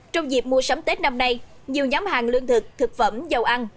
trong dịp mua sắm tết năm nay nhiều nhóm hàng lương thực thực phẩm dầu ăn